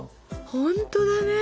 ほんとだね。